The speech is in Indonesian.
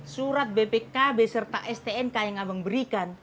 surat bpkb serta stnk yang abang berikan